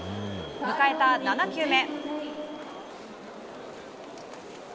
迎えた７球目。